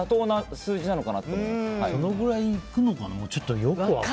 どのくらいいくのかな。